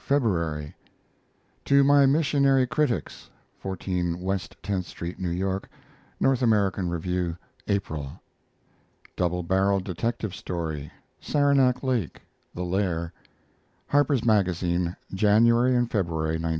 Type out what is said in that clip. February. TO MY MISSIONARY CRITICS (14 West Tenth Street, New York) N. A. Rev., April. DOUBLE BARREL DETECTIVE STORY (Saranac Lake, "The Lair") Harper's Magazine, January and February, 1902.